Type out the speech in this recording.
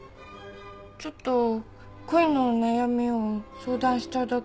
ちょっと恋の悩みを相談しただけです。